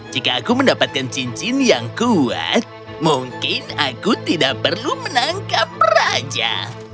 jika aku mendapatkan cincin yang kuat mungkin aku tidak perlu menangkap raja